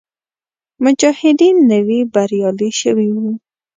مجاهدین نوي بریالي شوي وو.